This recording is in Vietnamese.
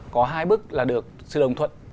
có hai bức là được sư đồng thuận